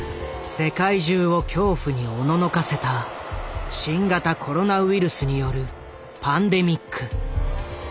世界中を恐怖におののかせた新型コロナウイルスによるパンデミック。